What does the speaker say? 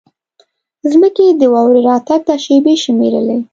ځمکې د واورې راتګ ته شېبې شمېرلې.